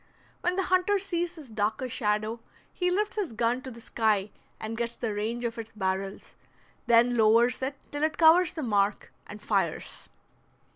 When the hunter sees this darker shadow he lifts his gun to the sky and gets the range of its barrels, then lowers it till it covers the mark, and fires.